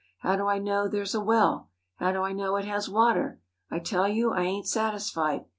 How do I know there's a well? How do I know it has water? I tell you I ain't satisfied.